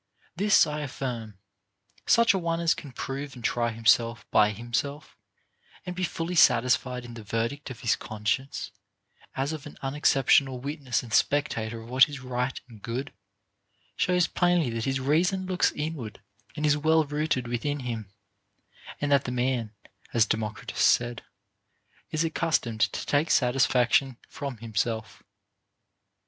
This I affirm, — such a one as can prove and try himself by himself, and be fully satisfied in the verdict of his conscience, as of an unexceptionable witness and spectator of what is right and good, shows plainly that his reason looks inward and is well rooted within him, and that the man (as Democritus said). is accustomed to take satisfaction from himself.